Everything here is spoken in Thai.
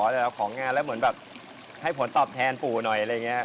แต่ของงานแล้วเหมือนแบบให้ผลตอบแทนปู่หน่อย